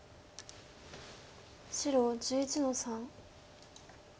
白１１の三。